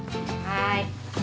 はい。